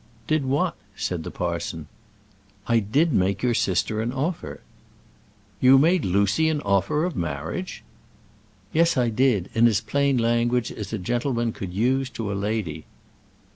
"Did what?" said the parson. "I did make your sister an offer." "You made Lucy an offer of marriage!" "Yes, I did; in as plain language as a gentleman could use to a lady."